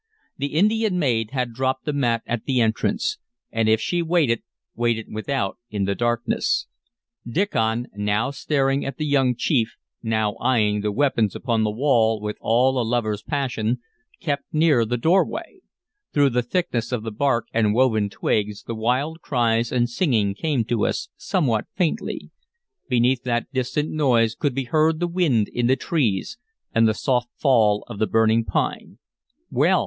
The Indian maid had dropped the mat at the entrance, and if she waited, waited without in the darkness. Diccon, now staring at the young chief, now eyeing the weapons upon the wall with all a lover's passion, kept near the doorway. Through the thickness of the bark and woven twigs the wild cries and singing came to us somewhat faintly; beneath that distant noise could be heard the wind in the trees and the soft fall of the burning pine. "Well!"